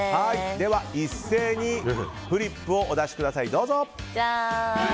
一斉にフリップをお出しください。